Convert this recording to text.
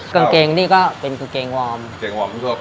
กางเกงนี้คือกางเกงวอร์ม